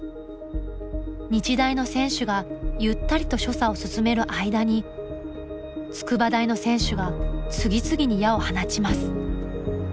日大の選手がゆったりと所作を進める間に筑波大の選手が次々に矢を放ちます。